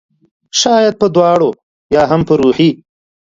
شاید په دواړو ؟ یا هم په روحي